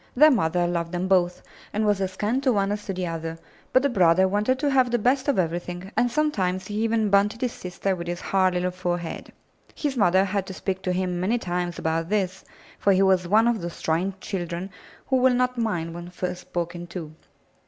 Their mother loved them both and was as kind to one as to the other, but the brother wanted to have the best of everything, and sometimes he even bunted his sister with his hard little forehead. His mother had to speak to him many times about this, for he was one of those trying children who will not mind when first spoken to.